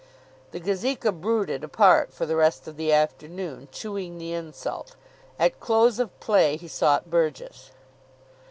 The Gazeka brooded apart for the rest of the afternoon, chewing the insult. At close of play he sought Burgess.